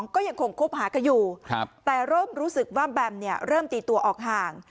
ก็ยังคงคบหากันอยู่แต่เริ่มรู้สึกว่าแบมเนี่ยเริ่มตีตัวออกห่าง